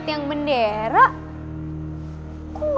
ya saya tau